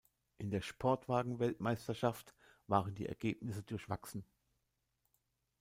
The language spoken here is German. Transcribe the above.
In der Sportwagen-Weltmeisterschaft waren die Ergebnisse durchwachsen.